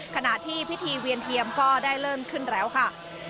ขณะที่พิธีเวียนเทียมก็ได้เริ่มขึ้นแล้วค่ะ